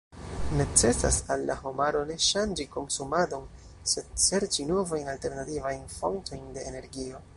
Necesas al la homaro ne ŝanĝi konsumadon, sed serĉi novajn alternativajn fontojn de energio.